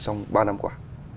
trong ba năm qua